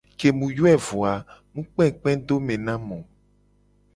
Ke mu yoe vo a mu kpekpe do me na mu o.